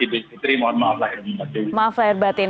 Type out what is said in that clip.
idul fitri mohon maaf lahir batin